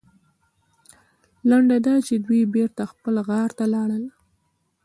لنډه دا چې دوی بېرته خپل غار ته لاړل.